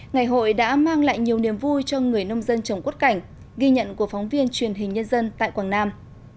ngày hội đã mang lại nhiều niềm vui cho người nông dân trồng quất cảnh ghi nhận của phóng viên truyền hình nhân dân tại quảng nam